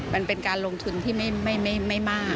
มันเป็นการลงทุนที่ไม่มาก